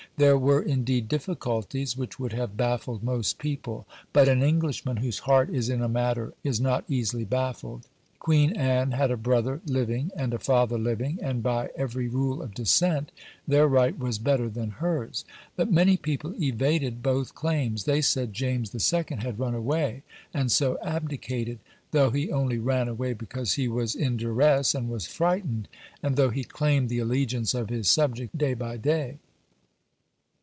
There were indeed difficulties which would have baffled most people; but an Englishman whose heart is in a matter is not easily baffled. Queen Anne had a brother living and a father living, and by every rule of descent, their right was better than hers. But many people evaded both claims. They said James II. had "run away," and so abdicated, though he only ran away because he was in duresse and was frightened, and though he claimed the allegiance of his subjects day by day.